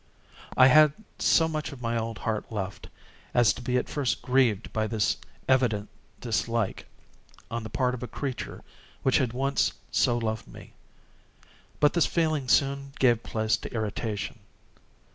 I had so much of my old heart left, as to be at first grieved by this evident dislike on the part of a creature which had once so loved me. But this feeling soon gave place to irritation.